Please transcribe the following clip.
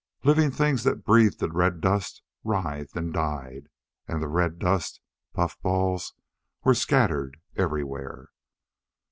Living things that breathed the red dust writhed and died. And the red dust puffballs were scattered everywhere.